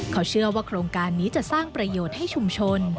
เขาเชื่อว่าโครงการนี้จะสร้างประโยชน์ให้ชุมชน